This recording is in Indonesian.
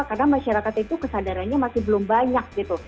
karena masyarakat itu kesadarannya masih belum banyak gitu